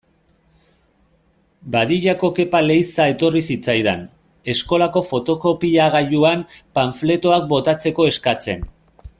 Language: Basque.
Bediako Kepa Leiza etorri zitzaidan, eskolako fotokopiagailuan panfletoak botatzeko eskatzen.